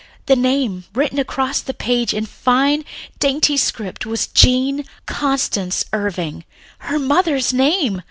The name written across the page in a fine, dainty script was "Jean Constance Irving," her mother's name!